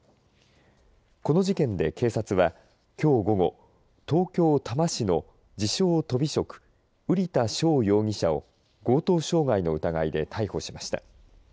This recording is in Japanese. この事件で警察はきょう午後東京、多摩市の自称・とび職瓜田翔容疑者を強盗傷害の疑いで逮捕しました。